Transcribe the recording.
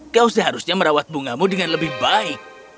kau seharusnya merawat bungamu dengan lebih baik